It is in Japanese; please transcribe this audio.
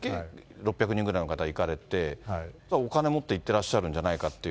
６００人ぐらいの方が行かれて、お金持っていっていらっしゃるんじゃないかって。